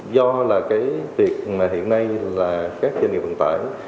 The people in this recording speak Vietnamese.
do là cái việc mà hiện nay là các doanh nghiệp vận tải